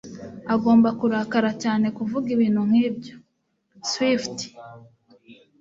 Agomba kurakara cyane kuvuga ibintu nkibyo. (Swift)